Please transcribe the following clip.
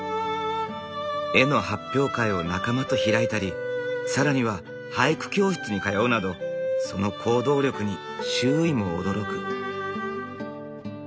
絵の発表会を仲間と開いたり更には俳句教室に通うなどその行動力に周囲も驚く。